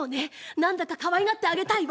なんだかかわいがってあげたいわ。